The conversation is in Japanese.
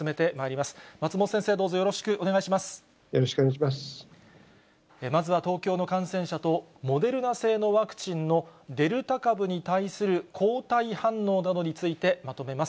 まずは東京の感染者と、モデルナ製のワクチンのデルタ株に対する抗体反応などについてまとめます。